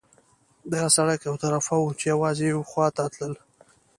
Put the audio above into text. دغه سړک یو طرفه وو، چې یوازې یوې خوا ته تلل.